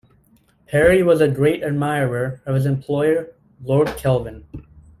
Perry was a great admirer of his employer, Lord Kelvin.